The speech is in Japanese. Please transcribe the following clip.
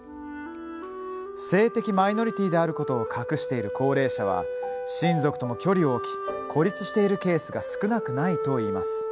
性的マイノリティーであることを隠している高齢者は親族とも距離を置き孤立しているケースが少なくないといいます。